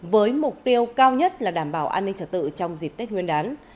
với mục tiêu cao nhất là đảm bảo an ninh trật tự trong dịp tết nguyên đán